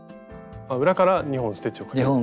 裏から２本ステッチをかけるんですね。